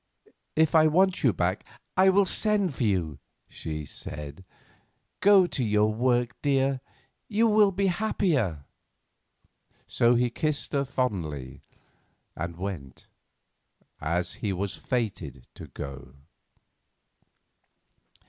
"If I want you back I will send for you," she said. "Go to your work, dear; you will be happier." So he kissed her fondly and went—as he was fated to go.